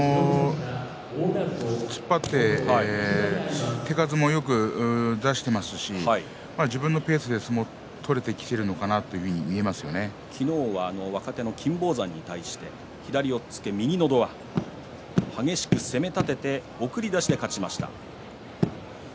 突っ張って手数もよく出していますし自分のペースで相撲が取れてきているのかな昨日は若手の金峰山に対して左押っつけ右のど輪激しく攻めたてて送り出しで勝ちました。